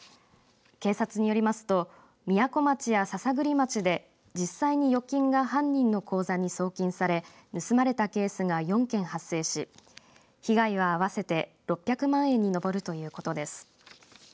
警察によりますとみやこ町や篠栗町で実際に預金が犯人の口座に送金され盗まれたケースが４件発生し被害は合わせて６００万円に上るということです。